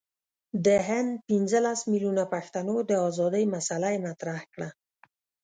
د هند پنځه لس میلیونه پښتنو د آزادی مسله یې مطرح کړه.